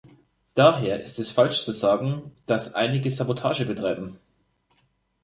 Daher ist es falsch zu sagen, dass einige Sabotage betreiben.